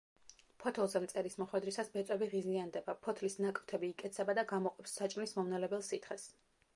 ფოთოლზე მწერის მოხვედრისას ბეწვები ღიზიანდება, ფოთლის ნაკვთები იკეცება და გამოყოფს საჭმლის მომნელებელ სითხეს.